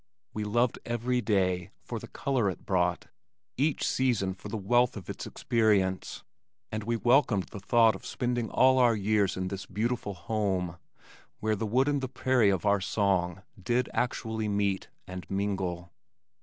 We loved every day for the color it brought, each season for the wealth of its experience, and we welcomed the thought of spending all our years in this beautiful home where the wood and the prairie of our song did actually meet and mingle.